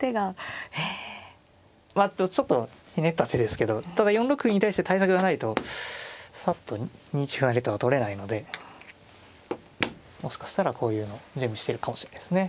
ちょっとひねった手ですけどただ４六歩に対して対策がないとさっと２一歩成とは取れないのでもしかしたらこういうの準備しているかもしれないですね。